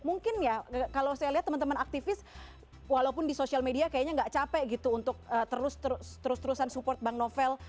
mungkin ya kalau saya lihat teman teman aktivis walaupun di sosial media kayaknya nggak capek gitu untuk terus terusan support bank novel